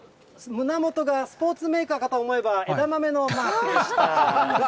胸元がスポーツメーカーかと思えば、枝豆のマークでした。